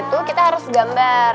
tuh kita harus gambar